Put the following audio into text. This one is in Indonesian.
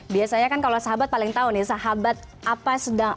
biasanya kan kalau sahabat paling tahu nih sahabat apa sedang